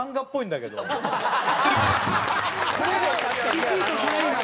１位と３位なの。